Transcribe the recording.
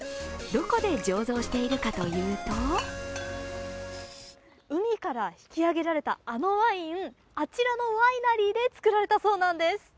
どこで醸造しているかというと海から引き揚げられたあのワイン、あちらのワイナリーで作られたそうなんです。